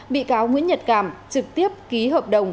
bị cáo nguyễn nhật cảm trực tiếp ký hợp đồng